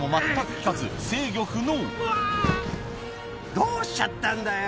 どうしちゃったんだよ？